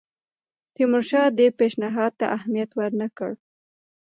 تیمورشاه دې پېشنهاد ته اهمیت ورنه کړ.